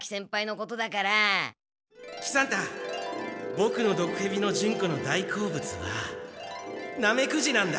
ボクのドクヘビのジュンコの大好物はナメクジなんだ。